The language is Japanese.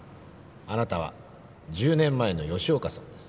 あなたは１０年前の吉岡さんです。